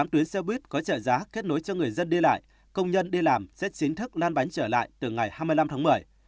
một mươi tuyến xe buýt có trợ giá kết nối cho người dân đi lại công nhân đi làm sẽ chính thức lan bánh trở lại từ ngày hai mươi năm tháng một mươi